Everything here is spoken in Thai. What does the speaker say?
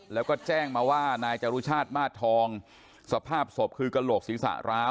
แล้วก็แจ้งมาว่านายจรุชชาติมาดทองสภาพศพคือกระหกศิษย์เหล้า